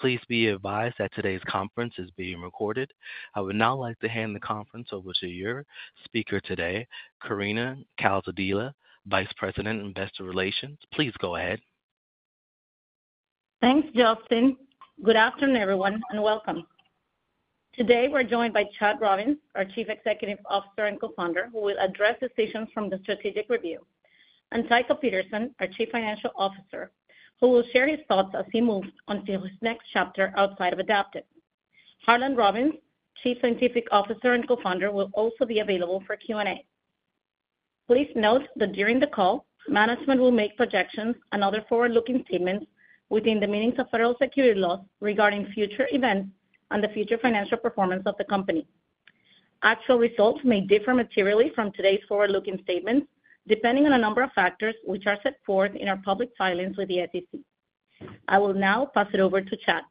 Please be advised that today's conference is being recorded. I would now like to hand the conference over to your speaker today, Karina Calzadilla, Vice President, Investor Relations. Please go ahead. Thanks, Justin. Good afternoon, everyone, and welcome. Today we're joined by Chad Robins, our Chief Executive Officer and Co-founder, who will address decisions from the Strategic Review, and Tycho Peterson, our Chief Financial Officer, who will share his thoughts as he moves onto his next chapter outside of Adaptive. Harlan Robins, Chief Scientific Officer and Co-founder, will also be available for Q&A. Please note that during the call, management will make projections and other forward-looking statements within the meanings of federal security laws regarding future events and the future financial performance of the company. Actual results may differ materially from today's forward-looking statements depending on a number of factors which are set forth in our public filings with the SEC. I will now pass it over to Chad.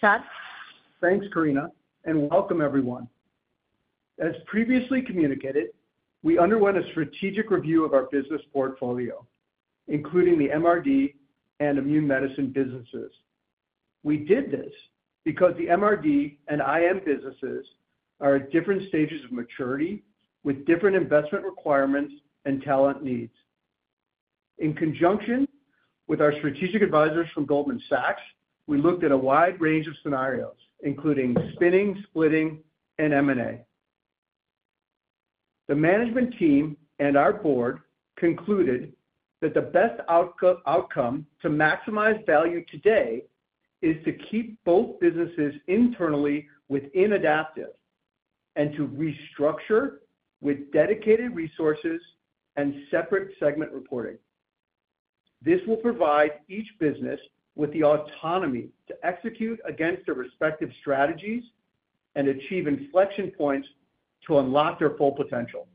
Chad? Thanks, Karina, and welcome, everyone. As previously communicated, we underwent a strategic review of our business portfolio, including the MRD and Immune Medicine businesses. We did this because the MRD and IM businesses are at different stages of maturity with different investment requirements and talent needs. In conjunction with our strategic advisors from Goldman Sachs, we looked at a wide range of scenarios, including spinning, splitting, and M&A. The management team and our board concluded that the best outcome to maximize value today is to keep both businesses internally within Adaptive and to restructure with dedicated resources and separate segment reporting. This will provide each business with the autonomy to execute against their respective strategies and achieve inflection points to unlock their full potential.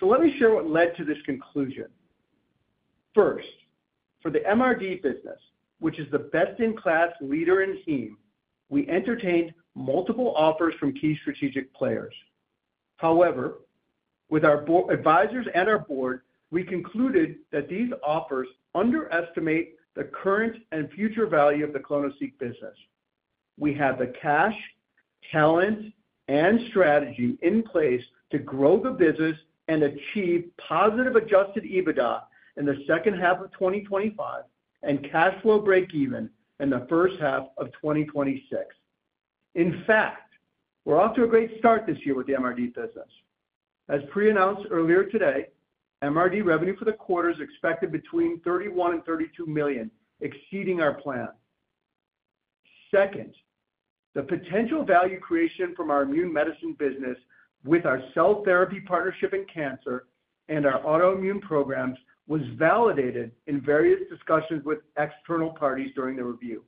So let me share what led to this conclusion. First, for the MRD business, which is the best-in-class leader in heme we entertained multiple offers from key strategic players. However, with our advisors and our board, we concluded that these offers underestimate the current and future value of the clonoSEQ business. We have the cash, talent, and strategy in place to grow the business and achieve positive Adjusted EBITDA in the second half of 2025 and cash flow break-even in the first half of 2026. In fact, we're off to a great start this year with the MRD business. As pre-announced earlier today, MRD revenue for the quarter is expected between $31 million-$32 million, exceeding our plan. Second, the potential value creation from our Immune Medicine business with our cell therapy partnership in cancer and our autoimmune programs was validated in various discussions with external parties during the review.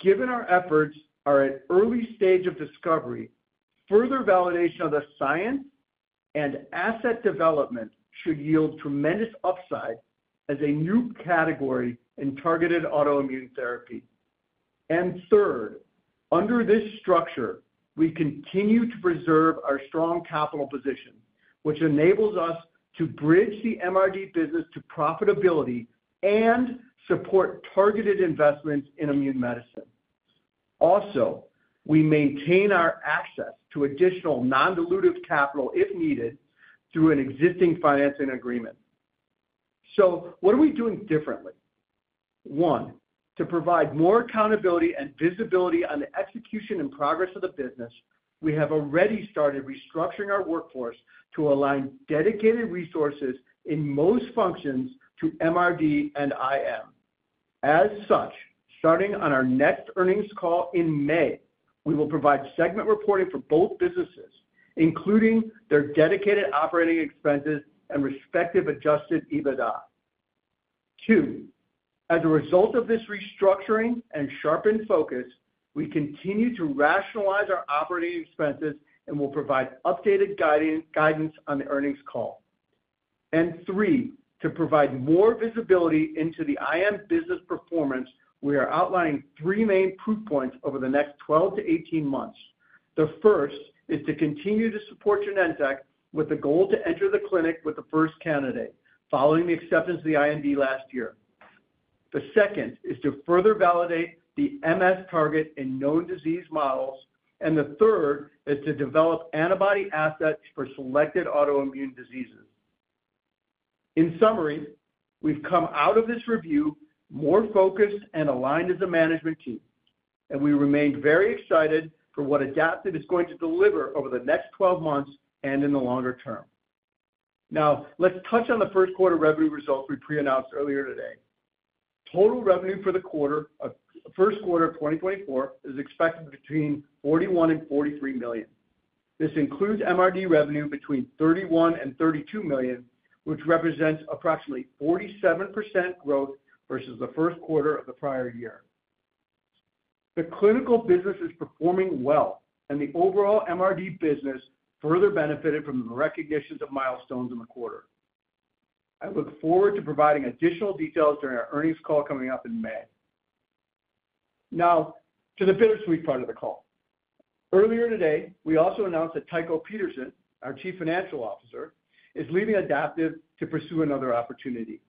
Given our efforts are at early stage of discovery, further validation of the science and asset development should yield tremendous upside as a new category in targeted autoimmune therapy. And third, under this structure, we continue to preserve our strong capital position, which enables us to bridge the MRD business to profitability and support targeted investments in Immune Medicine. Also, we maintain our access to additional non-dilutive capital if needed through an existing financing agreement. So what are we doing differently? One, to provide more accountability and visibility on the execution and progress of the business, we have already started restructuring our workforce to align dedicated resources in most functions to MRD and IM. As such, starting on our next earnings call in May, we will provide segment reporting for both businesses, including their dedicated operating expenses and respective adjusted EBITDA. Two, as a result of this restructuring and sharpened focus, we continue to rationalize our operating expenses and will provide updated guidance on the earnings call. And three, to provide more visibility into the IM business performance, we are outlining 3 main proof points over the next 12-18 months. The first is to continue to support Genentech with the goal to enter the clinic with the first candidate, following the acceptance of the IND last year. The second is to further validate the MS target in known disease models. And the third is to develop antibody assets for selected autoimmune diseases. In summary, we've come out of this review more focused and aligned as a management team, and we remain very excited for what Adaptive is going to deliver over the next 12 months and in the longer term. Now, let's touch on the first quarter revenue results we pre-announced earlier today. Total revenue for the first quarter of 2024 is expected between $41 million and $43 million. This includes MRD revenue between $31 million and $32 million, which represents approximately 47% growth versus the first quarter of the prior-year. The clinical business is performing well, and the overall MRD business further benefited from the recognitions of milestones in the quarter. I look forward to providing additional details during our earnings call coming up in May. Now, to the bittersweet part of the call. Earlier today, we also announced that Tycho Peterson, our Chief Financial Officer, is leaving Adaptive to pursue another opportunity.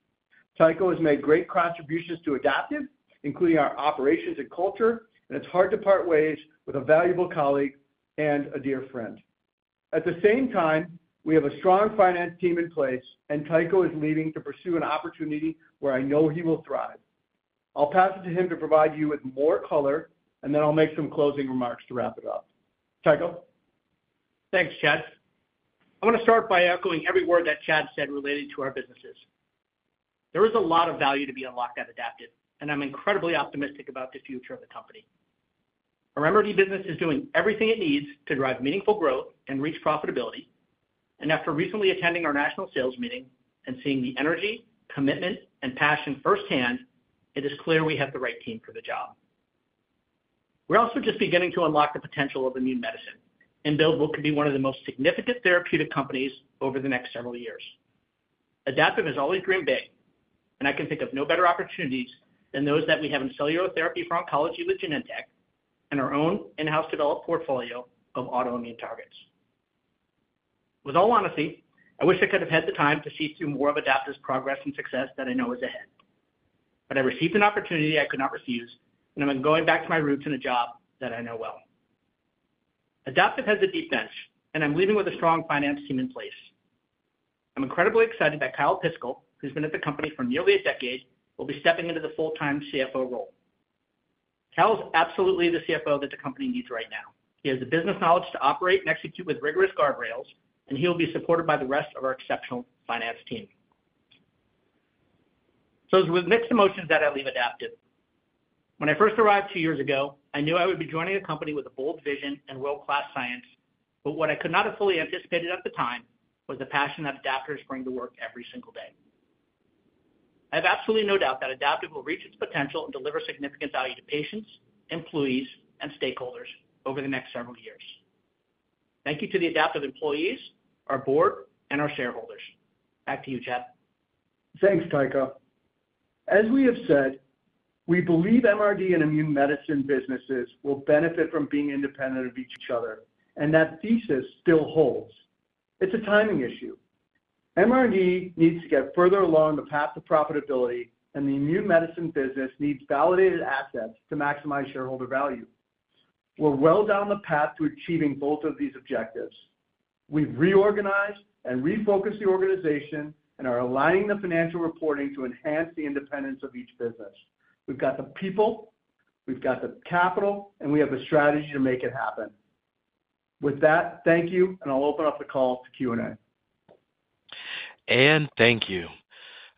Tycho has made great contributions to Adaptive, including our operations and culture, and it's hard to part ways with a valuable colleague and a dear friend. At the same time, we have a strong finance team in place, and Tycho is leaving to pursue an opportunity where I know he will thrive. I'll pass it to him to provide you with more color, and then I'll make some closing remarks to wrap it up. Tycho? Thanks, Chad. I want to start by echoing every word that Chad said related to our businesses. There is a lot of value to be unlocked at Adaptive, and I'm incredibly optimistic about the future of the company. Our MRD business is doing everything it needs to drive meaningful growth and reach profitability. After recently attending our national sales meeting and seeing the energy, commitment, and passion firsthand, it is clear we have the right team for the job. We're also just beginning to unlock the potential of Immune Medicine and build what could be one of the most significant therapeutic companies over the next several years. Adaptive has always dreamed big, and I can think of no better opportunities than those that we have in cellular therapy for oncology with Genentech and our own in-house developed portfolio of autoimmune targets. With all honesty, I wish I could have had the time to see through more of Adaptive's progress and success that I know is ahead. But I received an opportunity I could not refuse, and I'm going back to my roots in a job that I know well. Adaptive has a deep bench, and I'm leaving with a strong finance team in place. I'm incredibly excited that Kyle Piskel, who's been at the company for nearly a decade, will be stepping into the full-time CFO role. Kyle is absolutely the CFO that the company needs right now. He has the business knowledge to operate and execute with rigorous guardrails, and he will be supported by the rest of our exceptional finance team. So it's with mixed emotions that I leave Adaptive. When I first arrived two years ago, I knew I would be joining a company with a bold vision and world-class science, but what I could not have fully anticipated at the time was the passion that Adaptive is bringing to work every single day. I have absolutely no doubt that Adaptive will reach its potential and deliver significant value to patients, employees, and stakeholders over the next several years. Thank you to the Adaptive employees, our board, and our shareholders. Back to you, Chad. Thanks, Tycho. As we have said, we believe MRD and Immune Medicine businesses will benefit from being independent of each other, and that thesis still holds. It's a timing issue. MRD needs to get further along the path to profitability, and the Immune Medicine business needs validated assets to maximize shareholder value. We're well down the path to achieving both of these objectives. We've reorganized and refocused the organization and are aligning the financial reporting to enhance the independence of each business. We've got the people, we've got the capital, and we have a strategy to make it happen. With that, thank you, and I'll open up the call to Q&A. Thank you.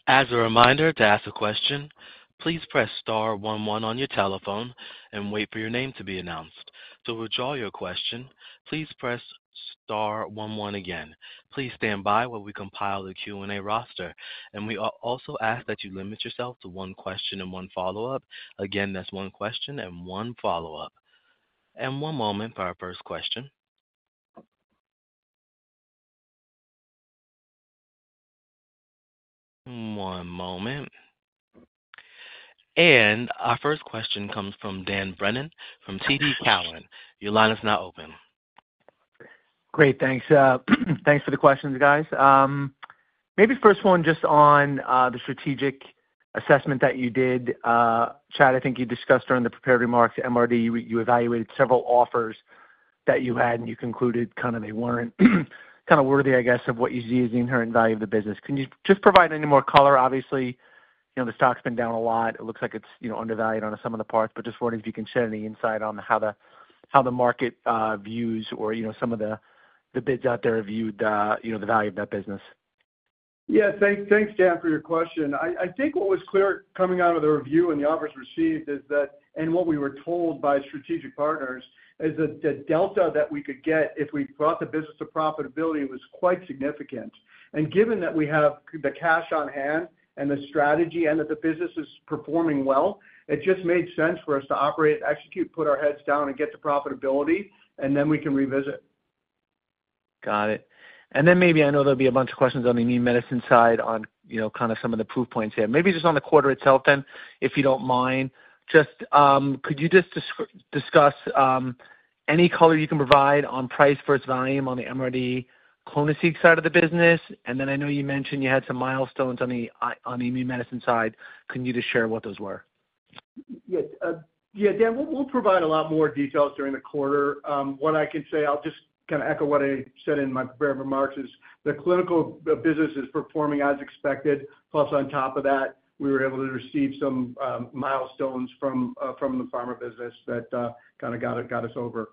As a reminder to ask a question, please press star one, one on your telephone and wait for your name to be announced. To withdraw your question, please press star one, one again. Please stand by while we compile the Q&A roster, and we also ask that you limit yourself to one question and one follow-up. Again, that's one question and one follow-up. One moment for our first question. One moment. Our first question comes from Dan Brennan from TD Cowen. Your line is now open. Great, thanks. Thanks for the questions, guys. Maybe first one just on the strategic assessment that you did. Chad, I think you discussed during the prepared remarks, MRD, you evaluated several offers that you had, and you concluded kind of they weren't kind of worthy, I guess, of what you see as the inherent value of the business. Can you just provide any more color? Obviously, the stock's been down a lot. It looks like it's undervalued on sum of the parts, but just wondering if you can share any insight on how the market views or some of the bids out there have viewed the value of that business. Yeah, thanks, Dan, for your question. I think what was clear coming out of the review and the offers received is that, and what we were told by strategic partners is that the delta that we could get if we brought the business to profitability was quite significant. Given that we have the cash on hand and the strategy and that the business is performing well, it just made sense for us to operate, execute, put our heads down, and get to profitability, and then we can revisit. Got it. And then maybe I know there'll be a bunch of questions on the Immune Medicine side on kind of some of the proof points here. Maybe just on the quarter itself then, if you don't mind. Could you just discuss any color you can provide on price versus volume on the MRD clonoSEQ side of the business? And then I know you mentioned you had some milestones on the Immune Medicine side. Can you just share what those were? Yes. Yeah, Dan, we'll provide a lot more details during the quarter. What I can say, I'll just kind of echo what I said in my prepared remarks, is the clinical business is performing as expected. Plus, on top of that, we were able to receive some milestones from the pharma business that kind of got us over.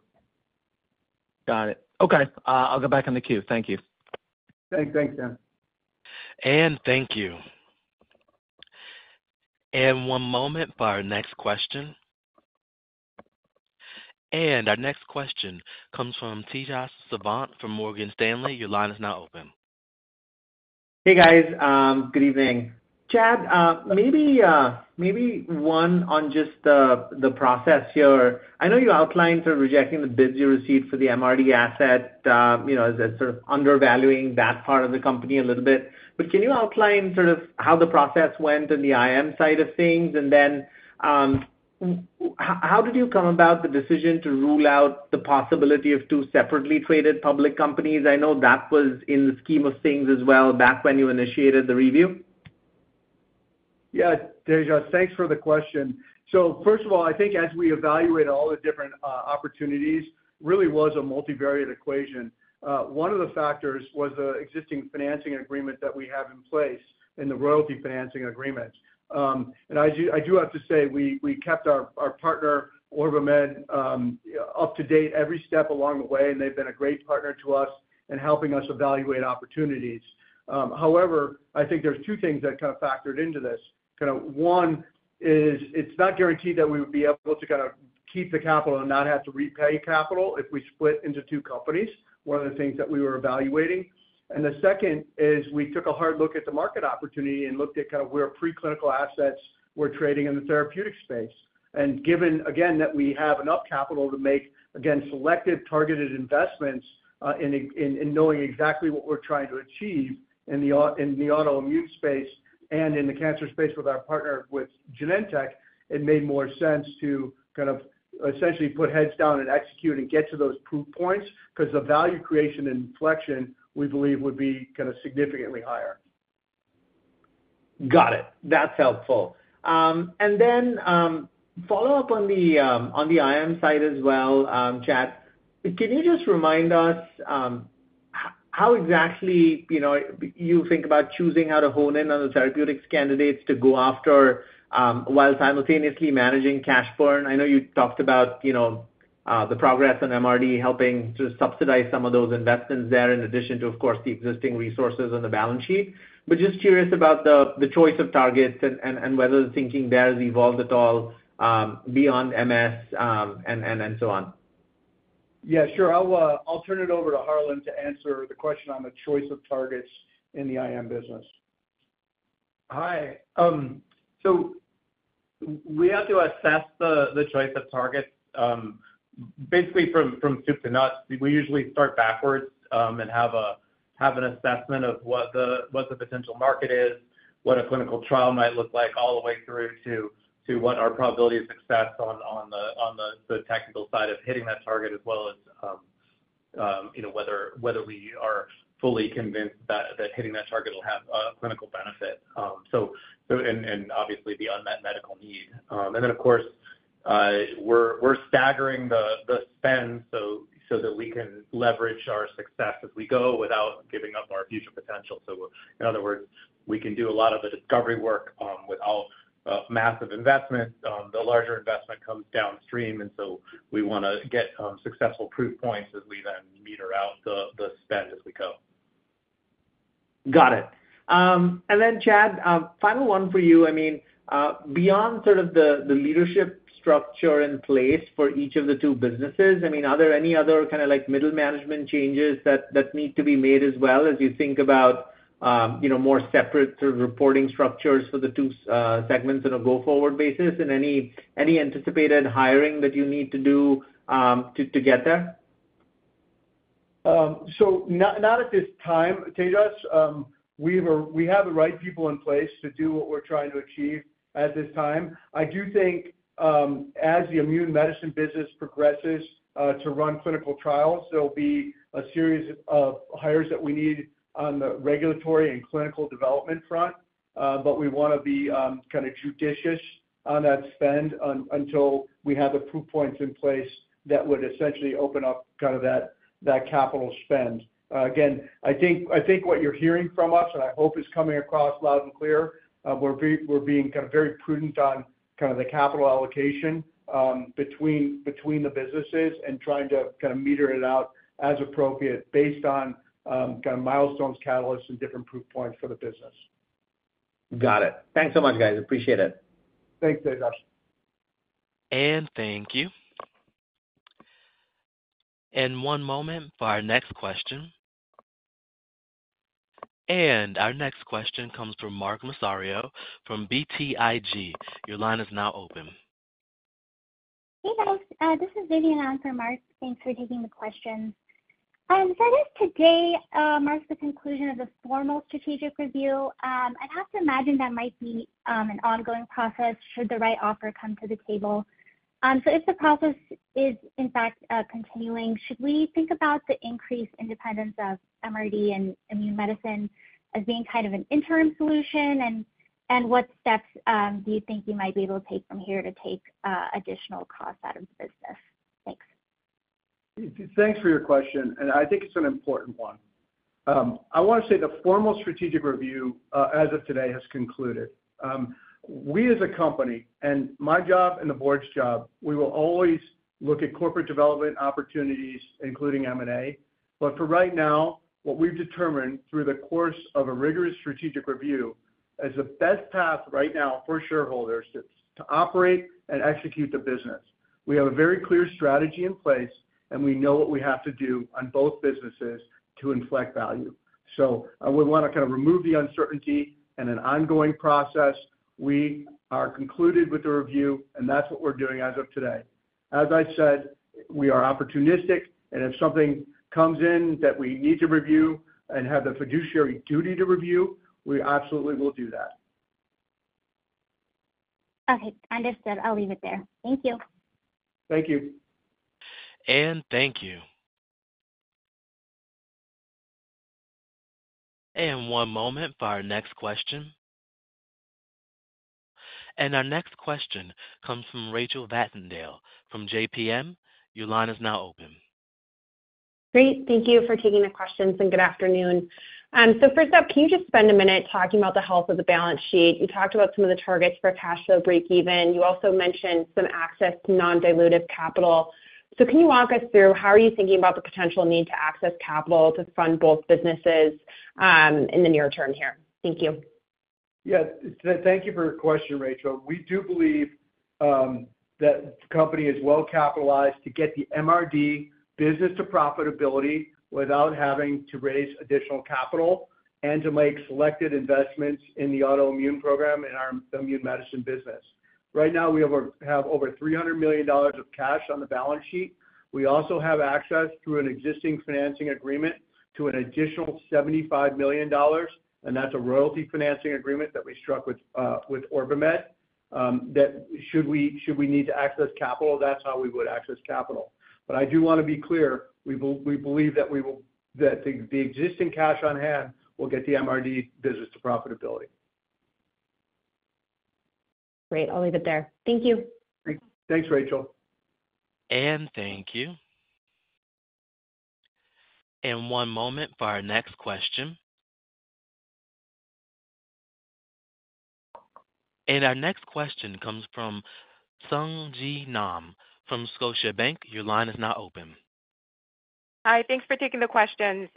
Got it. Okay. I'll go back on the cue. Thank you. Thanks, Dan. Thank you. One moment for our next question. Our next question comes from Tejas Savant from Morgan Stanley. Your line is now open. Hey, guys. Good evening. Chad, maybe one on just the process here. I know you outlined sort of rejecting the bids you received for the MRD asset as sort of undervaluing that part of the company a little bit, but can you outline sort of how the process went in the IM side of things? And then how did you come about the decision to rule out the possibility of two separately traded public companies? I know that was in the scheme of things as well back when you initiated the review. Yeah, Tejas, thanks for the question. So first of all, I think as we evaluate all the different opportunities. Really was a multivariate equation. One of the factors was the existing financing agreement that we have in place and the royalty financing agreement. And I do have to say, we kept our partner, OrbiMed, up to date every step along the way, and they've been a great partner to us in helping us evaluate opportunities. However, I think there's two things that kind of factored into this. Kind of one is it's not guaranteed that we would be able to kind of keep the capital and not have to repay capital if we split into two companies, one of the things that we were evaluating. The second is we took a hard look at the market opportunity and looked at kind of where preclinical assets were trading in the therapeutic space. Given, again, that we have enough capital to make, again, selective targeted investments in knowing exactly what we're trying to achieve in the autoimmune space and in the cancer space with our partner with Genentech, it made more sense to kind of essentially put heads down and execute and get to those proof points because the value creation and inflection, we believe, would be kind of significantly higher. Got it. That's helpful. And then follow up on the IM side as well, Chad. Can you just remind us how exactly you think about choosing how to hone in on the therapeutics candidates to go after while simultaneously managing cash burn? I know you talked about the progress on MRD helping to subsidize some of those investments there in addition to, of course, the existing resources on the balance sheet. But just curious about the choice of targets and whether thinking there has evolved at all beyond MS and so on. Yeah, sure. I'll turn it over to Harlan to answer the question on the choice of targets in the IM business. Hi. So we have to assess the choice of targets. Basically, from soup to nuts, we usually start backwards and have an assessment of what the potential market is, what a clinical trial might look like, all the way through to what our probability of success on the technical side of hitting that target as well as whether we are fully convinced that hitting that target will have a clinical benefit and obviously the unmet medical need. And then, of course, we're staggering the spend so that we can leverage our success as we go without giving up our future potential. So in other words, we can do a lot of the discovery work without massive investment. The larger investment comes downstream, and so we want to get successful proof points as we then meter out the spend as we go. Got it. And then, Chad, final one for you. I mean, beyond sort of the leadership structure in place for each of the two businesses, I mean, are there any other kind of middle management changes that need to be made as well as you think about more separate sort of reporting structures for the two segments on a go-forward basis? And any anticipated hiring that you need to do to get there? Not at this time, Tejas. We have the right people in place to do what we're trying to achieve at this time. I do think as the Immune Medicine business progresses to run clinical trials, there'll be a series of hires that we need on the regulatory and clinical development front. But we want to be kind of judicious on that spend until we have the proof points in place that would essentially open up kind of that capital spend. Again, I think what you're hearing from us, and I hope is coming across loud and clear, we're being kind of very prudent on kind of the capital allocation between the businesses and trying to kind of meter it out as appropriate based on kind of milestones, catalysts, and different proof points for the business. Got it. Thanks so much, guys. Appreciate it. Thanks, Tejas. Thank you. One moment for our next question. Our next question comes from Mark Massaro from BTIG. Your line is now open. Hey, guys. This is Vivian Alan from Mark. Thanks for taking the question. So I guess today marks the conclusion of the formal strategic review. I'd have to imagine that might be an ongoing process should the right offer come to the table. So if the process is, in fact, continuing, should we think about the increased independence of MRD and Immune Medicine as being kind of an interim solution? And what steps do you think you might be able to take from here to take additional costs out of the business? Thanks. Thanks for your question, and I think it's an important one. I want to say the formal strategic review as of today has concluded. We as a company, and my job and the board's job, we will always look at corporate development opportunities, including M&A. But for right now, what we've determined through the course of a rigorous strategic review is the best path right now for shareholders to operate and execute the business. We have a very clear strategy in place, and we know what we have to do on both businesses to inflect value. So we want to kind of remove the uncertainty and an ongoing process. We are concluded with the review, and that's what we're doing as of today. As I said, we are opportunistic, and if something comes in that we need to review and have the fiduciary duty to review, we absolutely will do that. Okay. Understood. I'll leave it there. Thank you. Thank you. Thank you. One moment for our next question. Our next question comes from Rachel Vatnsdal from JPM. Your line is now open. Great. Thank you for taking the questions, and good afternoon. First up, can you just spend a minute talking about the health of the balance sheet? You talked about some of the targets for cash flow breakeven. You also mentioned some access to non-dilutive capital. Can you walk us through how are you thinking about the potential need to access capital to fund both businesses in the near term here? Thank you. Yeah. Thank you for your question, Rachel. We do believe that the company is well capitalized to get the MRD business to profitability without having to raise additional capital and to make selected investments in the autoimmune program and our Immune Medicine business. Right now, we have over $300 million of cash on the balance sheet. We also have access through an existing financing agreement to an additional $75 million, and that's a royalty financing agreement that we struck with OrbiMed. Should we need to access capital, that's how we would access capital. But I do want to be clear, we believe that the existing cash on hand will get the MRD business to profitability. Great. I'll leave it there. Thank you. Thanks, Rachel. Thank you. One moment for our next question. Our next question comes from Sung Ji Nam from Scotiabank. Your line is now open. Hi. Thanks for taking the questions.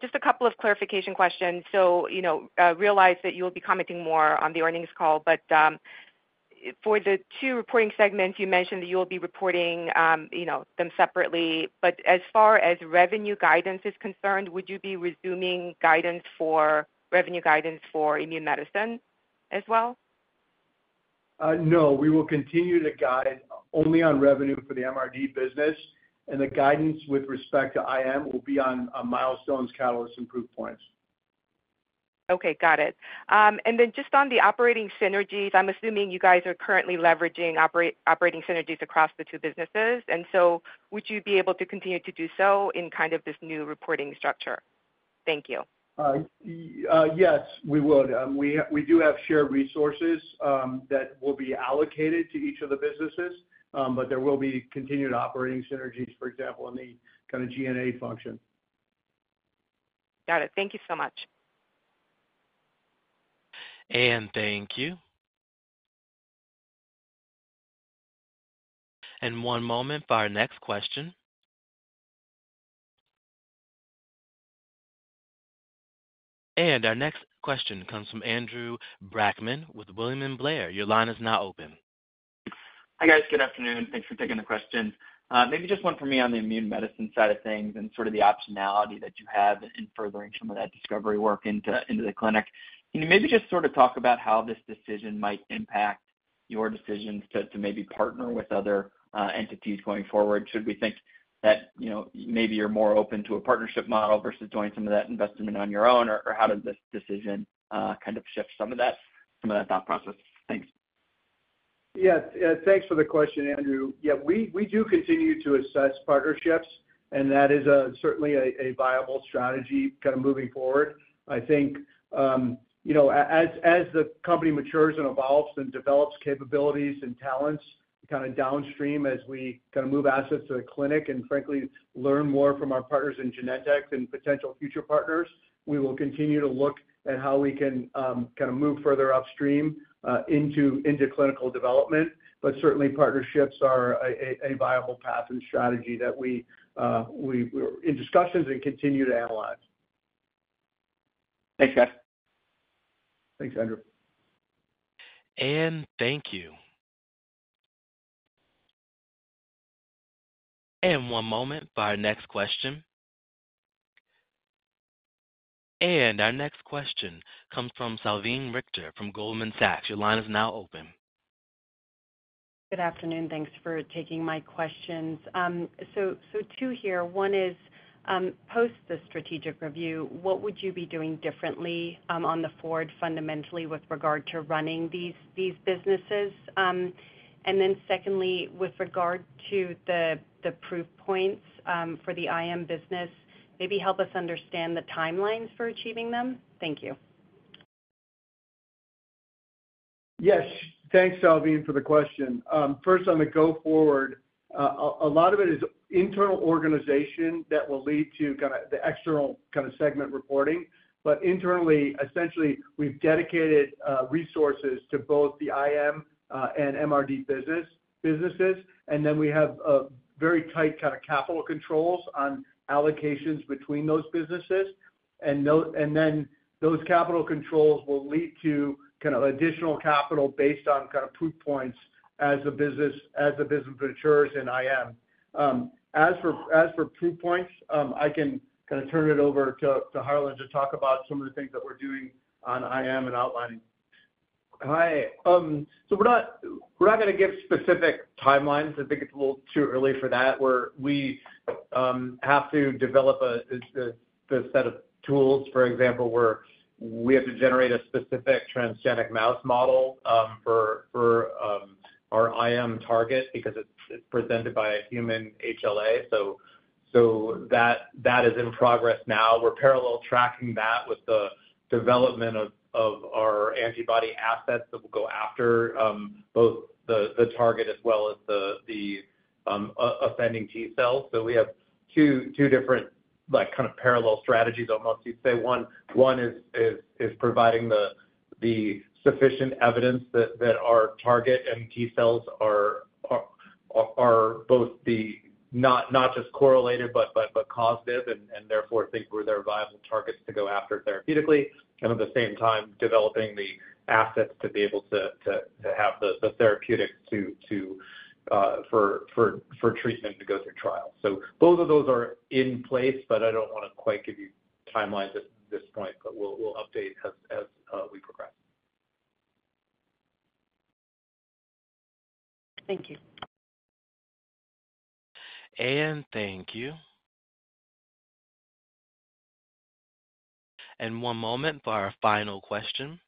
Just a couple of clarification questions. So realize that you will be commenting more on the earnings call, but for the two reporting segments, you mentioned that you will be reporting them separately. But as far as revenue guidance is concerned, would you be resuming revenue guidance for Immune Medicine as well? No. We will continue to guide only on revenue for the MRD business, and the guidance with respect to IM will be on milestones, catalysts, and proof points. Okay. Got it. And then just on the operating synergies, I'm assuming you guys are currently leveraging operating synergies across the two businesses. And so would you be able to continue to do so in kind of this new reporting structure? Thank you. Yes, we would. We do have shared resources that will be allocated to each of the businesses, but there will be continued operating synergies, for example, in the kind of G&A function. Got it. Thank you so much. Thank you. One moment for our next question. Our next question comes from Andrew Brackman with William Blair. Your line is now open. Hi, guys. Good afternoon. Thanks for taking the questions. Maybe just one for me on the Immune Medicine side of things and sort of the optionality that you have in furthering some of that discovery work into the clinic. Can you maybe just sort of talk about how this decision might impact your decisions to maybe partner with other entities going forward? Should we think that maybe you're more open to a partnership model versus doing some of that investment on your own? Or how does this decision kind of shift some of that thought process? Thanks. Yes. Thanks for the question, Andrew. Yeah, we do continue to assess partnerships, and that is certainly a viable strategy kind of moving forward. I think as the company matures and evolves and develops capabilities and talents kind of downstream as we kind of move assets to the clinic and, frankly, learn more from our partners in Genentech and potential future partners, we will continue to look at how we can kind of move further upstream into clinical development. But certainly, partnerships are a viable path and strategy that we are in discussions and continue to analyze. Thanks, guys. Thanks, Andrew. Thank you. One moment for our next question. Our next question comes from Salveen Richter from Goldman Sachs. Your line is now open. Good afternoon. Thanks for taking my questions. So two here. One is, post the strategic review, what would you be doing differently going forward fundamentally with regard to running these businesses? And then secondly, with regard to the proof points for the IM business, maybe help us understand the timelines for achieving them. Thank you. Yes. Thanks, Salveen, for the question. First, on the go-forward, a lot of it is internal organization that will lead to kind of the external kind of segment reporting. But internally, essentially, we've dedicated resources to both the IM and MRD businesses, and then we have very tight kind of capital controls on allocations between those businesses. And then those capital controls will lead to kind of additional capital based on kind of proof points as the business matures in IM. As for proof points, I can kind of turn it over to Harlan to talk about some of the things that we're doing on IM and outlining. Hi. So we're not going to give specific timelines. I think it's a little too early for that. We have to develop the set of tools. For example, we have to generate a specific transgenic mouse model for our IM target because it's presented by a human HLA. So that is in progress now. We're parallel tracking that with the development of our antibody assets that will go after both the target as well as the offending T cells. So we have two different kind of parallel strategies almost. You'd say one is providing the sufficient evidence that our target and T cells are both not just correlated but causative and therefore think they're viable targets to go after therapeutically, and at the same time, developing the assets to be able to have the therapeutics for treatment to go through trials. Both of those are in place, but I don't want to quite give you timelines at this point, but we'll update as we progress. Thank you. Thank you. One moment for our final question.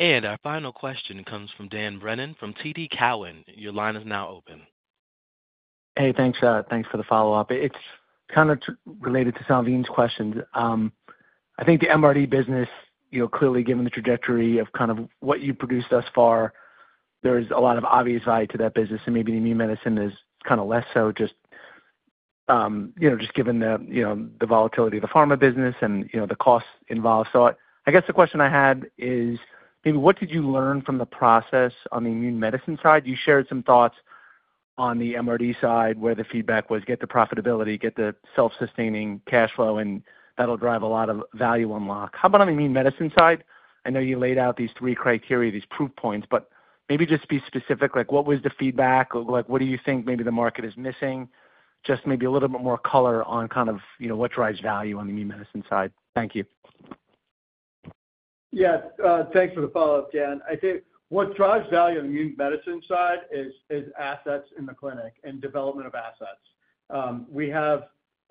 Our final question comes from Dan Brennan from TD Cowen. Your line is now open. Hey. Thanks, Chad. Thanks for the follow-up. It's kind of related to Salveen's questions. I think the MRD business, clearly, given the trajectory of kind of what you've produced thus far, there is a lot of obvious value to that business. And maybe the Immune Medicine is kind of less so, just given the volatility of the pharma business and the costs involved. So I guess the question I had is maybe what did you learn from the process on the Immune Medicine side? You shared some thoughts on the MRD side where the feedback was, "Get the profitability. Get the self-sustaining cash flow, and that'll drive a lot of value unlock." How about on the Immune Medicine side? I know you laid out these three criteria, these proof points, but maybe just be specific. What was the feedback? What do you think maybe the market is missing? Just maybe a little bit more color on kind of what drives value on the Immune Medicine side. Thank you. Yeah. Thanks for the follow-up, Dan. I think what drives value on the Immune Medicine side is assets in the clinic and development of assets. We have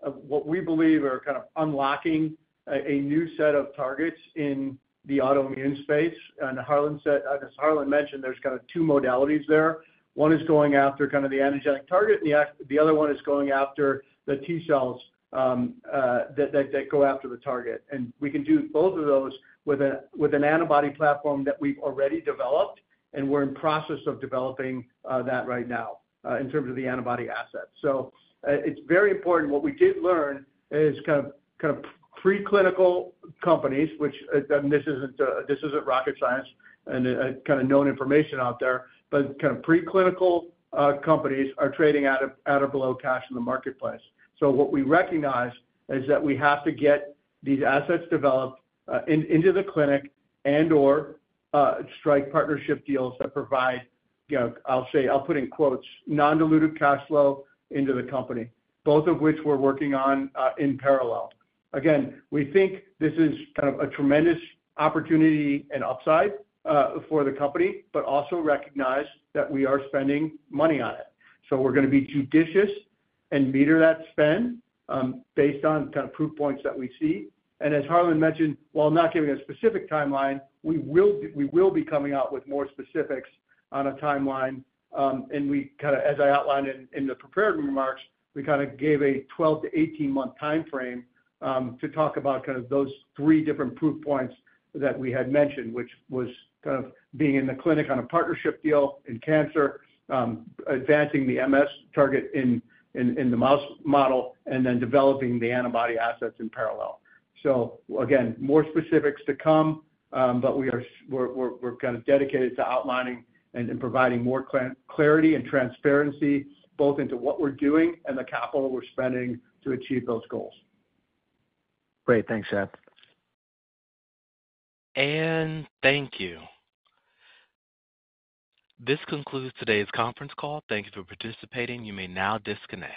what we believe are kind of unlocking a new set of targets in the autoimmune space. As Harlan mentioned, there's kind of two modalities there. One is going after kind of the antigenic target, and the other one is going after the T cells that go after the target. And we can do both of those with an antibody platform that we've already developed, and we're in process of developing that right now in terms of the antibody assets. So it's very important. What we did learn is kind of preclinical companies, which this isn't rocket science and kind of known information out there, but kind of preclinical companies are trading at or below cash in the marketplace. What we recognize is that we have to get these assets developed into the clinic and/or strike partnership deals that provide, I'll say, I'll put in quotes, "non-dilutive cash flow" into the company, both of which we're working on in parallel. Again, we think this is kind of a tremendous opportunity and upside for the company, but also recognize that we are spending money on it. So we're going to be judicious and meter that spend based on kind of proof points that we see. And as Harlan mentioned, while not giving a specific timeline, we will be coming out with more specifics on a timeline. And kind of as I outlined in the prepared remarks, we kind of gave a 12-18-month timeframe to talk about kind of those three different proof points that we had mentioned, which was kind of being in the clinic on a partnership deal in cancer, advancing the MS target in the mouse model, and then developing the antibody assets in parallel. So again, more specifics to come, but we're kind of dedicated to outlining and providing more clarity and transparency both into what we're doing and the capital we're spending to achieve those goals. Great. Thanks, Chad. Thank you. This concludes today's conference call. Thank you for participating. You may now disconnect.